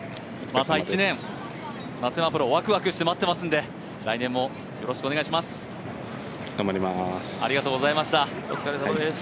また１年、松山プロ、ワクワクして待っていますので、来年もよろしくお願いします。